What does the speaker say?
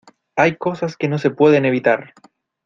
hay cosas que no se pueden evitar